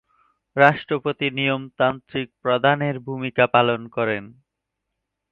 রাষ্ট্রপতি নিয়মতান্ত্রিক প্রধানের ভূমিকা পালন করেন।